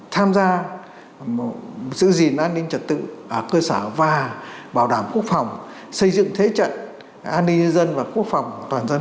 tham gia giữ gìn an ninh trật tự ở cơ sở và bảo đảm quốc phòng xây dựng thế trận an ninh nhân dân và quốc phòng toàn dân